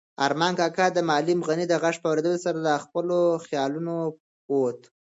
ارمان کاکا د معلم غني د غږ په اورېدو سره له خپلو خیالونو ووت.